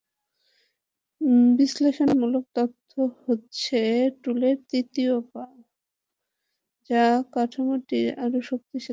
বিশ্লেষণমূলক তথ্য হচ্ছে টুলের তৃতীয় পা—যা কাঠামোটিকে আরও শক্তিশালী করে তোলে।